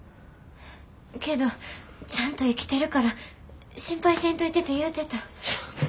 けどちゃんと生きてるから心配せんといてて言うてた。